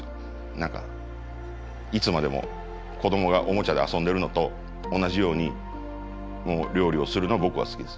何かいつまでも子どもがオモチャで遊んでるのと同じように料理をするのが僕は好きです。